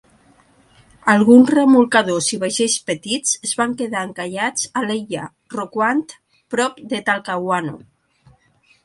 Alguns remolcadors i vaixells petits es van quedar encallats a l'illa Rocuant prop de Talcahuano.